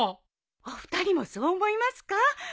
お二人もそう思いますか？